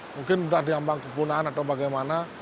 mungkin sudah diambang kepunahan atau bagaimana